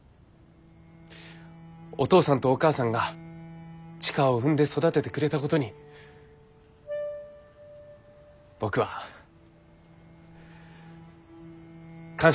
お義父さんとお義母さんが千佳を産んで育ててくれたことに僕は感謝してます。